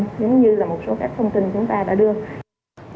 giống như là một số các thông tin chúng ta đã đưa ra